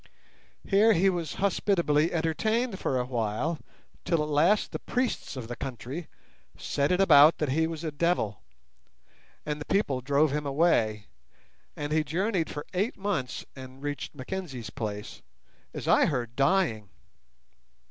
Here he was hospitably entertained for a while, till at last the priests of the country set it about that he was a devil, and the people drove him away, and he journeyed for eight months and reached Mackenzie's place, as I heard, dying.